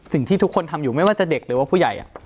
สิ่งที่ทุกคนทำอยู่ไม่ว่าจะเด็กหรือว่าผู้ใหญ่